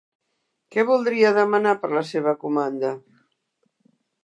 Que voldria demanar per la seva comanda?